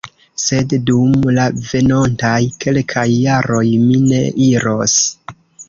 Sed dum la venontaj kelkaj jaroj mi ne iros.